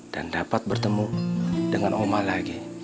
dan dapat bertemu dengan allah lagi